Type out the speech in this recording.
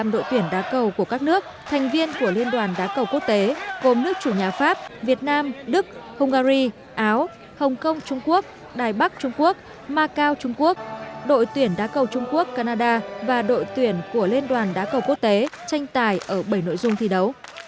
đội tuyển đá cầu việt nam đã thi đấu xuất sắc giữ vững ngôi nhất toàn đoàn như mục tiêu đã đề ra